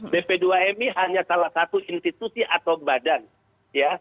bp dua mi hanya salah satu institusi atau badan ya